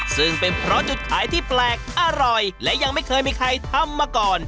ซึ่งเป็นเพราะจุดขายที่แปลกอร่อยและยังไม่เคยมีใครทำมาก่อน